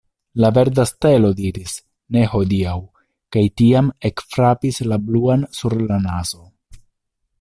La verda stelo diris, ne hodiaŭ, kaj tiam ekfrapis la bluan sur la nazo.